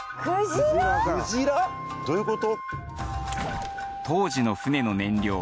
どういうこと？